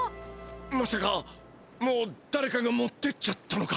まさかもうだれかが持ってっちゃったのか！？